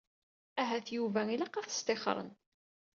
Ahat Yuba ilaq ad t-sṭixxren.